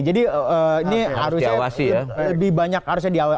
jadi ini harusnya lebih banyak harusnya diawasi